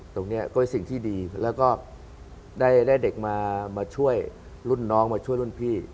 ตรงนี้ก็เป็นสิ่งที่ดีแล้วก็ได้เด็กมาช่วยรุ่นน้องมาช่วยรุ่นพี่